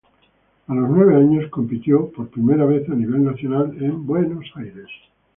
A los nueve años compitió por primera vez a nivel nacional en Buenos Aires.